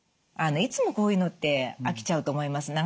あのいつもこういうのって飽きちゃうと思います。